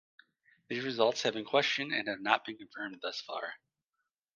These results have been questioned and have not been confirmed thus far.